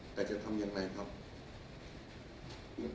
แต่จะทำอย่างไรครับ